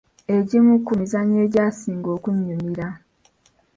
Egimu ku mizannyo egyasinga okunyumira